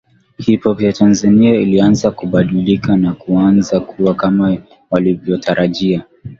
Hip Hop ya Tanzania ilianza kubadilika na kuanza kuwa kama walivyotarajia